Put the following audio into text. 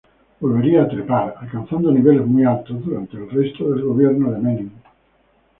Volvería a trepar, alcanzando niveles muy altos, durante el resto del gobierno de Menem.